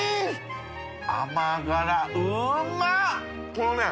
このね